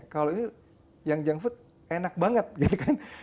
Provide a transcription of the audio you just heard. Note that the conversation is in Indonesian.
kalau ini yang junk food enak banget gitu kan